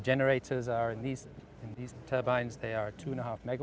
generator di turbine ini adalah dua lima mw